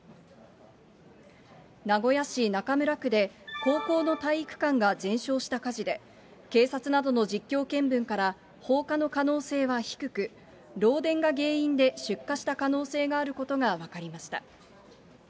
名古屋市中村区で、高校の体育館が全焼した火事で、警察などの実況見分から放火の可能性は低く、漏電が原因で出火した可能性があることが分かりました。